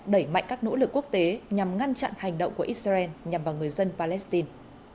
đẩy mạnh các nỗ lực quốc tế nhằm ngăn chặn hành động của israel nhằm vào người dân palestine